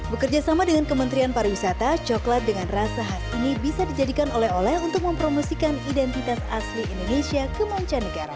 bekerja sama dengan kementerian pariwisata coklat dengan rasa khas ini bisa dijadikan oleh oleh untuk mempromosikan identitas asli indonesia ke mancanegara